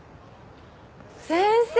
先生！